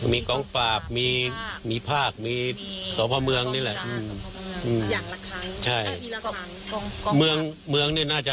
มีกองปราบมีภาคมีสพเมืองนี่แหละ